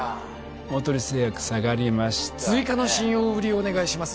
大鳥製薬下がりましたね追加の信用売りをお願いします